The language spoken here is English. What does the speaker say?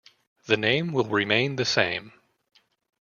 The name will remain the same.